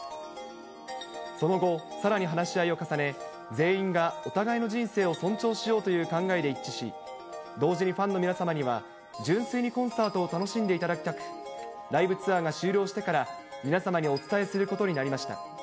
その後、さらに話し合いを重ね、全員がお互いの人生を尊重しようという考えで一致し、同時にファンの皆様には純粋にコンサートを楽しんでいただきたく、ライブツアーが終了してから、皆様にお伝えすることになりました。